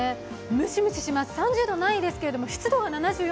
ムシムシします、３０度ないぐらいですけど湿度が７４％。